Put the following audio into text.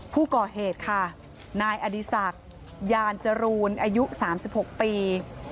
ผู้ก่อเหตุค่ะนายอดีศักดิ์ยานจรูนอายุ๓๖ปี